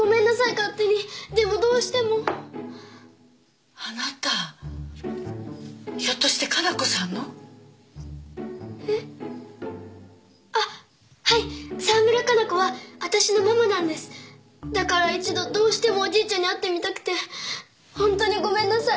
勝手にでもどうしてもあなたひょっとして加奈子さんの？えっ？あっはい沢村加奈子は私のママなんですだから一度どうしてもおじいちゃんに会ってみたくてほんとにごめんなさい